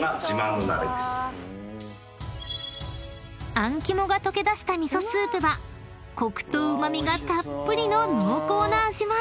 ［あん肝が溶け出した味噌スープはコクとうま味がたっぷりの濃厚な味わい］